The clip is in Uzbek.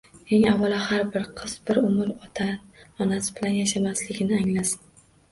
Eng avvalo, har bir qiz bir umr ota-onasi bilan yashamasligini anglasin.